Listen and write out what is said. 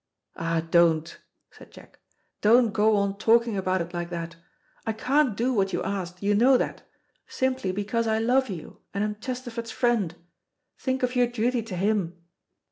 "Ah, don't," said Jack, "don't go on talking about it like that. I can't do what you asked, you know that, simply because I love you and am Chesterford's friend. Think of your duty to him.